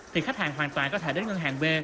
thì khách hàng hoàn toàn có thể đến ngân hàng b